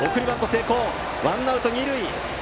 成功でワンアウト二塁。